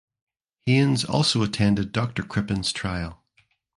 Haynes also attended Dr Crippen’s trial.